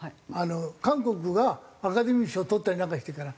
韓国がアカデミー賞取ったりなんかしてから。